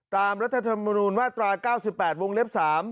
ตามรัฐธรรมนุนวาตรา๙๘วงเล็บ๓